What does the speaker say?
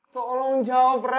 tolong jawab ra